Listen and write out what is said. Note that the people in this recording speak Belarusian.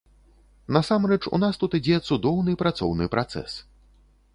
Насамрэч, у нас тут ідзе цудоўны працоўны працэс.